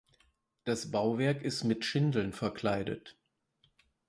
Das Bauwerk ist mit Schindeln verkleidet.